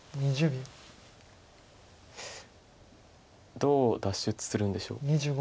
どう脱出するんでしょう。